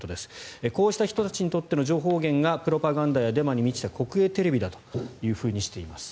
こうした人たちにとっての情報源がプロパガンダやデマに満ちた国営テレビだとしています。